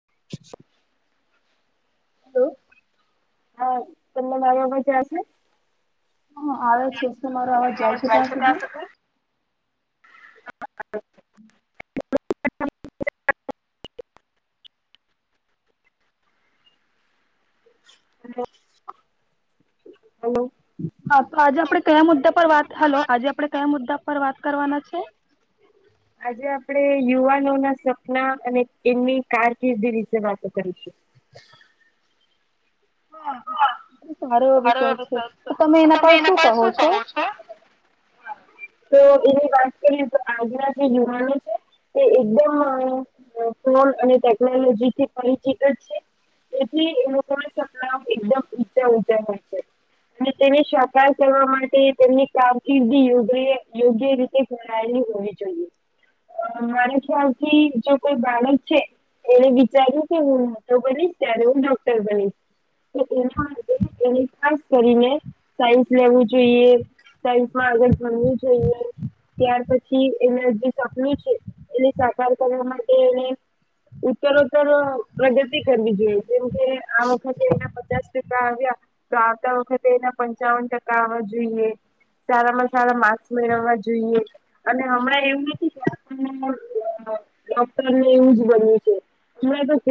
[inaudible] Hello. હા તમે મારો અવાજ આવે છે? હ આવે છે મારો આવાજ જાય છે ત્યાં સુધી? હ [unintelligible] હ [unintelligible] હ હ [unintelligible] હા તો આજે આપડે કયા મુદ્દા પર વાત હલો આજે આપડે કયા મુદ્દા પર વાત કરવાના છે? હ [unintelligible] આજે આપણેે યુવાનો ના સપના અને એમની કારકિર્દી વિશે વાતો કરીશું. સારું સર સર તમે એના પર શું કહો છો? તો એની વાત કરીએ તો આજના જે યુવાનો છે. તે એકદમ ફોન અને ટેકનોલોજી થી પરચિત જ છે. તેથી એ લોકોના સપના એકદમ ઊંચે ઊંચે હોય છે. અને તેને સાકાર કરવા માટે તેમની કામકિર્દીયો યોગ્ય રીતે એ ભણાયેલી હોવી જોઈએ મારા ખ્યાલથી જો કોઈ બાળક છે, એને વિચાર્યું કે હું મોટો બનીશ ત્યારે હું ડોક્ટર બનીશ. એની ખાસ કરીને સાયન્સ લેવું જોઈએ. સાયન્સમાં આગળ ભનવુ જોઈએ. ત્યાર પછી એના જે સપનું છે એને સાકાર કરવા માટે એને ઉત્તરોતર પ્રગતિ કરવી જોઈએ જેમકે આ વખતે એના પચાસ ટકા આવ્યા તો આવતા વખતે એના પંચાવન ટકા આવવા જોઈએ. સારામાં સારા માર્ક્સ મેળવવા જોઈએ. અને હમણાં એવું નથી કે આપણે ડોક્ટરને એવું જ બન્યું છે. હમણાં તોક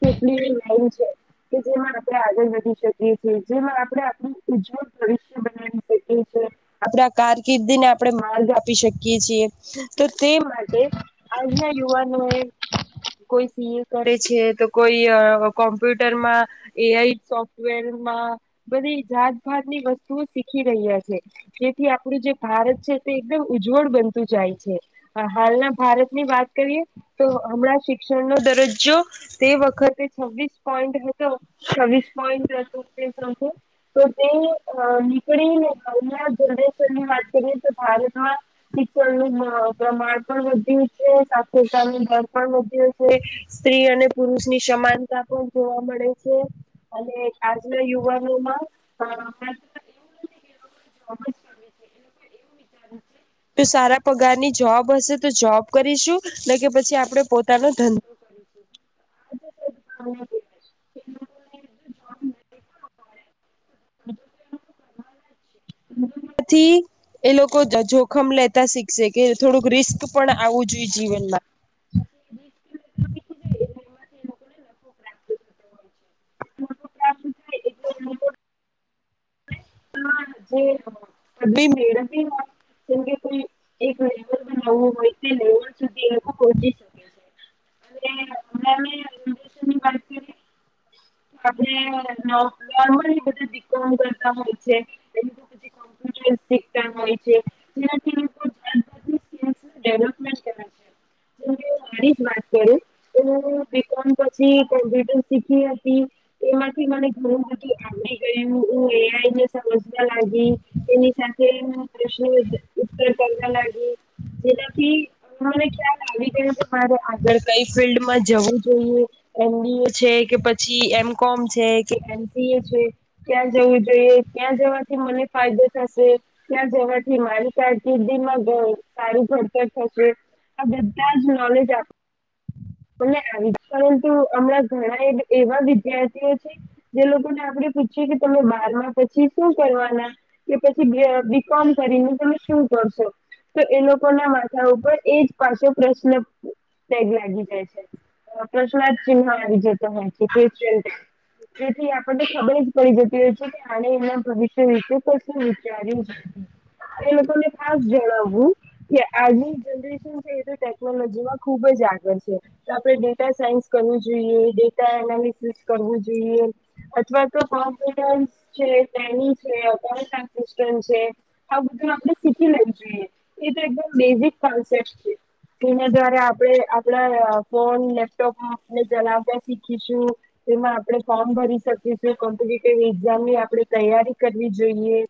કેટલી એવી લાઈન છે કે જેમાં આપણે આગળ વધી જેમાં આપણે આપ ઉજ્જવળ ભવિષ્ય બનાવી શકીએ. આપણે કારકિર્દીને આપણે માર્ગ આપી શકીએ છીએ તો તે માટે આજના યુવાનોએ કોઈ સીએ કરે છે, તો કોઈ કોમ્પ્યુટરમાં એઆઈ સોફ્ટ [inaudible] બધી જાતભાતની વસ્તુઓ શીખી રહ્યા છે જેથી આપડી જે ભારત છે તે એકદમ ઉજ્જવળ બનતું જાય છે. હાલના ભારતની વાત કરીએ તો હમણાં શિક્ષણનો દરજ્જો તે વખતે છવ્વીસ પોઈન્ટ હતો છવ્વીસ પોઈન્ટ હ [inaudible] તો તે નીકળીને [inaudible] જડેશરની વાત કરીએ તો ભારતમાં શિક્ષણનું પ્રમાણ પણ વધ્યું છે, સાક્ષરતાનું દર પણ વધ્યું છે. સ્ત્રી અને પુરુષની સમાનતા પણ જોવા મળે છે. અને આજના યુવાનોમાં [inaudible] તો સારા પગારની જોબ હશે તો જોબ કરીશું ને કે પછી આપણે પોતાનો ધંધો [inaudible] [inaudible] [inaudible] [inaudible] એ લોકો જોખમ લેતા શીખશે કે થોડુંક રિસ્ક પણ આવું જોઈએ જીવનમાં. [inaudible] [inaudible] કેમકે કોઈ એક લેવલ પણ લેવું હોય તો લેવલ સુધી એ લોકો પહોંચી શકે [inaudible] આપણે નોર્મલી બધા બિકોમ કરતા હોય. [inaudible] [inaudible] તો બીકોમ પછી કોમ્પ્યુટર શીખી હતી. એમાંથી મને ઘણું બધું આવીડી ગયું, એઆઈ ને સમજવા લાગી એની સાથે પ્રશ્ન ઉત્તર કરવા લાગી. જેનાથી મને ખ્યાલ આવી ગયો મારે આગળ કઈ ફિલ્ડમાં જવું જોઈએ. એનડીએ છે કે પછી, એમકોમ છે, કે એમપીએ છે. ત્યાં જવું જોઈએ ત્યાં જવાથી મને ફાયદો થશે. ત્યાં જવાથી મારી કારકિર્દી માં સારું ઘડતર થશે. આ બધા જ નોલેજ આપ- [inaudible] હમણાં ઘણા એવા વિદ્યાર્થીઓ છે. જે લોકોને આપડે પૂછીએ કે તમે બાર પછી શું કરવાના કે પછી બીકોમ કરીને તમે શું કરશો? તો એ લોકો ના માથા ઉપર એજ પાછો પ્રશ્ન ટેગ લાગી જાય છે. પ્રશ્નાર્થ ચિન્હો આવી જતો હોય છે. [unintelligible] જેથી આપણને ખબર જ પડી જતી હોય છે કે આને એમના ભવિષ્ય વિશે તો શું વિચાર્યું જ એ લોકોને ખાસ જણાવવું. કે આજની જનરેશન છે એ તો ટેકનોલોજીમાં ખૂબ જ આગળ છે. તો આપણે ડેટા સાયન્સ કરવું જોઈએ, ડેટા એનાલિસિસ કરવું જોઈએ. અથવા તો કોન્ફિડન્સ છે, ટેલી છે, અકાઉન્ટ ટ્રાન્ઝિક્શન છે. આ બધું આપણે શીખી લેવું જોઈએ એ તો એકદમ બેઝિક કોન્સેપ્ટ છે. એના દ્વારા આપણે આપણા ફોન, લેપટોપમાં આપણે ચલાવતાં શીખીશું. તેમાં આપણે ફોર્મ ભરી શકીશું કમ્પ્યુટેટિવ ઈ ઝામની આપણે તૈયારી કરવી જોઈએ.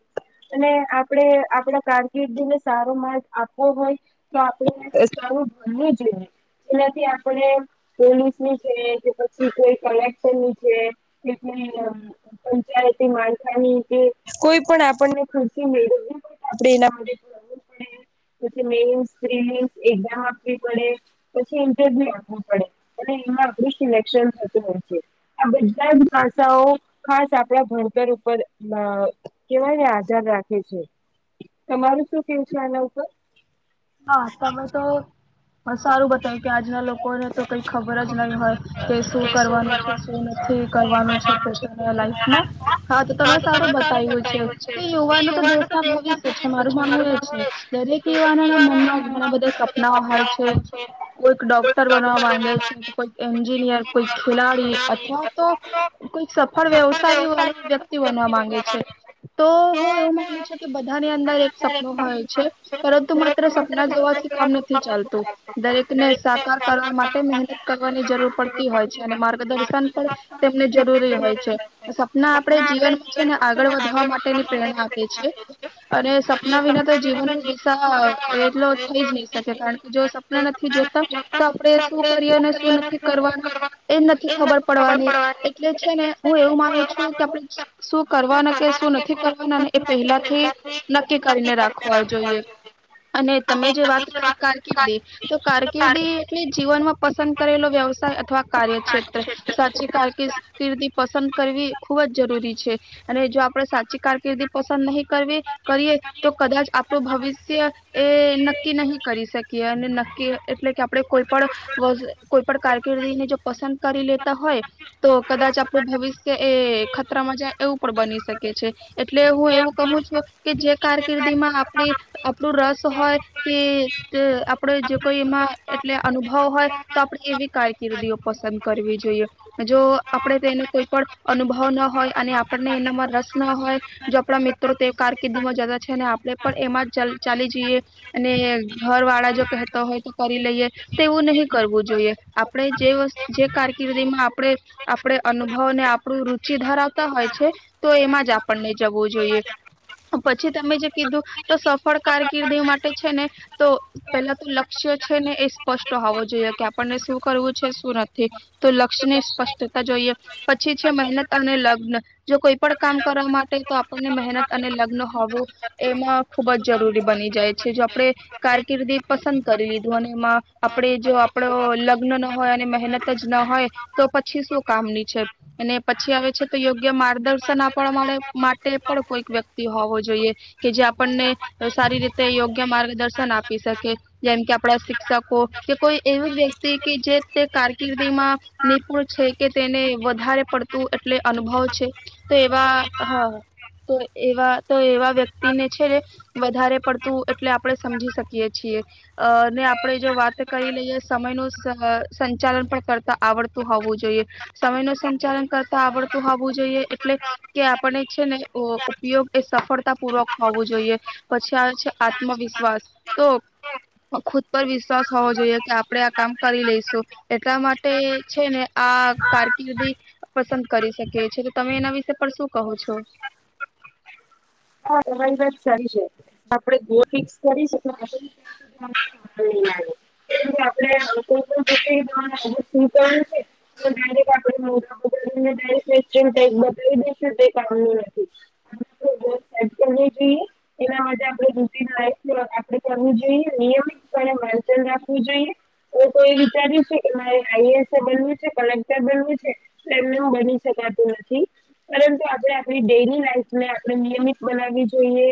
અને આપણે આપણા કારકિર્દીને સારો માર્ગ આપવો હોય. તો આપણે એક્ઝામનુ ભણવું જોઈએ જેનાથી આપણે પોલીસની છે કે પછી કોઈ કલેક્ટરની છે કે કોઈ અ જયારે તે માળખાની કે કોઈ પણ આપણને ખુરશી મેળવવી હો તો આપણે એના માટે જવું પડે પછી મેઈન્સ, પ્રીલીમ્ષ એક્ઝામ આપવી પડે. પછી ઈન્ટરવ્યુ આપવું પડે અને એમાં આપણું સિલેક્શન થતું હોય છે. આ બધા જ પાસાઓ ખાસ આપ આપણા ભણતર ઉપર અ કેવાયને આધાર રાખે છે. તમારું શું કેવું છે આના ઉપર? હા, તમે તો સારું બતાયું કે આજનાં લોકોને તો કંઈ ખબર જ નહીં હોય. કે શું કરવાનું છે, શું નથી કરવાનું છે, પોતાનાં લાઈફમાં. હા, તો તમે સારું બતાય્વુ છે કે યુવાનો તો દેશના ભવિષ્ય છે મારું માનવું એ છે. દરેક યુવાનોના મનમાં ઘણાં બધાં સપનાઓ હોય છે. છે. કોઈક ડોક્ટર બનવા માંગે છે, કોઈક એન્જિનિયર, કોઈ ખેલાડી અથવા તો કોઈક સફળ વ્યવસાયવાળો વ્યક્તિ બનવા માંગે છે. તો હું એવું માનું છું કે બધાની અંદર એક સપનું હોય છે પરંતુ મત ત્ર સપનાં જોવાથી કામ નથી ચાલતું. દરેકને સાકાર કરવા માટે મહેનત કરવાની જરૂર પડતી હોય છે અને માર્ગદર્શન પણ તેમને જરૂરી હોય છે. સપનાં આપણે જીવનમાં છે ને આગળ વધવા માટેની પ્રેરણા આપે છે. અને સપના વિના તો જીવનની દિશા એટલો થઈ જ નહીં શકે કારણ કે જો સપ ના નથી જોતા તો આપણે શું કરીએ ને શું નથી કરવાના. એ નથી ખબર પડવાની એટલે છે ને હું એવું માનું છું કે આપણે શું કરવાના કે શું નથી કરવાનાં ને એ પહેલાથી નક્કી કરીને રાખવા જોઈએ. [inaudible] અને તમે જે વાત કરી કારકિર્દી તો કારકિર્દી જીવનમાં પસંદ કરેલો વ્યવસાય અથવા કાર્યક્ષેત્ર સાચી કારકીસ કિર્દી પસંદ કરવી ખૂબ જ જરૂરી છે. અને જો આપણેે સાચી કારકિર્દી પસંદ નહીં કરવી કરીએ તો કદાચ આપણું ભવિષ્ય એ નક્કી નહીં કરી શકીએ અને નક્કી એટલે કે આપણે કોઈ પણ વસ કોઈ પણ કારકિર્દીને જો પસંદ કરી લેતાં હોય. તો કદાચ આપણું ભવિષ્યએ ખતરામાં જાય એવું પણ બની શકે છે. એટલે હું એવું કહું છું કે જે કારકિર્દીમાં આપણી આપણું રસ હોય કે અ આપણે જો કોઈમાં એટલે અનુભવ હોય તો આપડે કેવી કાઈ કિર્દીઓ પસંદ કરવી જોઈએ. જો આપડે તે એનો કોઈ પણ અનુભવ ન હોય અને આપણને એનામાં રસ ન હોય. જો આપણા મિત્રો તે કારકિર્દી માં જતાં છે ને આપણે પણ એમાં ચાલ ચાલી જીએ. અને ઘરવાળા જો કહેતાં હોય તો કરી લઈએ તેવું નહીં કરવું જોઈએ. આપણે જે જે વ કારકિર્દીમાં આપણે આપણે અનુભવને આપણું રુચિ ધરાવતા હોય છે. તો એમાં જ આપણને જવું જોઈએ. પછી તમે જે કીધું તો સફળ કારકિર્દી માટે છેને, તો પેલા તો લક્ષ્ય છેને, એ સ્પષ્ટ હોવો જોઈએ કે આપણને શું કરવું છે, શું નથી તો લક્ષ્યની સ્પષ્ટતા જોઈએ પછી છે મહેનત અને લગ્ન જો કોઈ પણ કામ કરવા માટે તો આપણને મહેનત અને લગ્ન હોવુ. એમાં ખૂબ જ જરૂરી બની જાય છે જો આપડણે કારકિર્દી પસંદ કરી લીધું અને એમાં આપણે જો આપણો લગ્ન ન હોય અને મહેનત જ ના હોય તો પછી શું કામની છે. અને પછી આવે છે તો યોગ્ય માર્ગદર્શન આપ માટે પણ કોઈક વ્યક્તિ હોવો જોઈએ. કે જે આપણને સારી રીતે યોગ્ય માર્ગદર્શન આપી શકે જેમ કે આપણા શિક્ષકો કે કોઈ એવી વ્યક્તિ કે જે તે કારકિર્દીમા નિપુણ છે કે તેને વધારે પડતું એટલે અનુભવ છે. તો એવા હા તો એવા તો એવા વ્યક્તિને છે વધારે પડ ત એટલે આપડણે સમજી શકીએ છીએ. અ ને આપણે જો વાત કરી લઈએ સમય ન સંચાલન પણ કરતા આવડતું હોવુ, જોઈએ. સમય ન સંચાલન કરતા આવડતું હોવુ, જોઈએ એટલે કે આપણે છેને, ઉપયોગ એ સફળતા પૂર્વક હોવું જોઈએ પછી આવે છે. આત્મવિશ્વાસ તો ખુદ પર વિશ્વાસ હોવો જોઈએ, કે આપડણે આ કામ કરી લઈશુ એટલા માટે છને, આ કારકિર્દી પસંદ કરી શકીએીએ તો તમે એના વિશે પર શું કહો છો. હા હવારી વાત સારી છે, આપે ગો ફિક્સ કરીશ હના આપડે કોઈ પણ શું છે. તો ડાયરેક્ટ આપણેે નને ડાયક્ટ બતાવી દઈશુંક આપનું નથી. જોઈએ. એના માટે આપણે રૂટીન લાઈફ આપે કરવુ જોઈએ નિયમિત માચન રાખવું જોઈએ. એ તો એ વિચાર્યું છે, કે મારે આઈએસએ બનવું છે કલેક્ટર બનવું છે. ને હું બની શકાતું નથી પરંતુ આપણે આપણી ડેલી લાઈફને આપણે નિયમિત બનાવી જોઈએ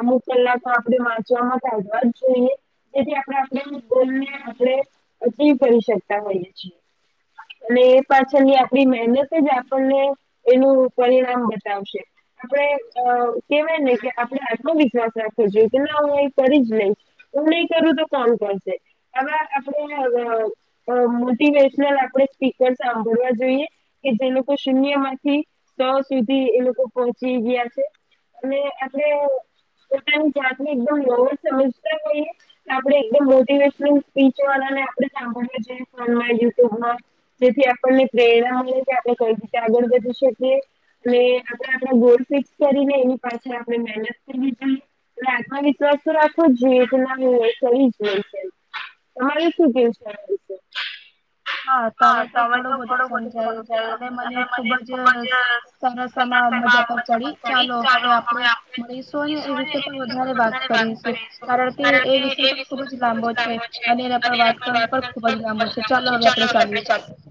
અમુક કલાકમા આપડણે વાંચવામાં કાઢવા જ જોઈએ. જેથી આપણે આપ બને આપણે અચીવ કરી શકતા હોઈએ છીએ. અને એ પાછળની આપડી મહેનત જ આપણને એનું પરિણામ બતાવશે આપડ અ કેવાય ને કે આપણે આત્મવિશ્વાસ રાખવો જોઈએ કે ના હુ એ કરી જ નહી હુ નહી, કરુ તો કોણ કોસે આવા આપણેે મોટિવેશનલ આપણે સ્પીકર સાંભળવા જોઈએ. કે જે લોકો શૂન્ય માંથી સો સુધી એ લોકો પહોંચી ગયા છે. અને આપણે પોતાની જાતની એકદમ વવ સમજતા હોઈએ. આપડણે એકદમ મોટિવેશનલ સ્પીચ વાળા ને આપણે સાંભળવા જોઈએ ફોનમાં યુટ્યુબમા જેથી આપણને પ્રેરણાઓ આપણે કઈ રીતે આગળ વધી છે, એ અને આપડે આપણે ગોલ ફિક્સ કરીને એની પાછ આપણે મહેનત કરવી જોઈએ. આત્મવિશ્વાસ તો રાખવો જ જોઈએ તો ના હો એ જ હોય છે. હવે શું કેવ તમારી છે. હા તમે તો ઘણું બધું સમજાયું અને મને ખુબજ સરસ એમાં મજા પર પડી ચાલો હવે આપણે મળીશુ અને એ વિશે પણ વધારે વાત કરીશું કારણ કે એ વિષ તો ખુબ જ લાંબો છે અને એના પર વાત કર પણ ખુબ જ લાંબો છે, ચાલો હવે આપડે ચલીએ હ.